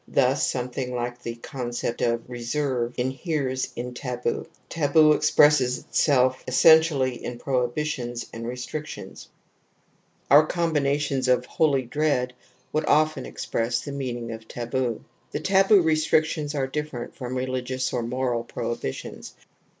Thus something like the conc^ 80 I ^..^'"\. THE AMBIVALENCE OF EMOTIONS 81 of reserve inheres in taboo ; taboo expresses itself essentially in prohibitions and restrictions. Our combination of ' holy dread ' would often express the meaning of taboo. The taboo restrictions are different from religious or moral prohibitions.